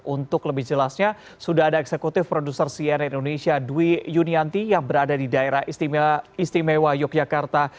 untuk lebih jelasnya sudah ada eksekutif produser cnn indonesia dwi yunianti yang berada di daerah istimewa yogyakarta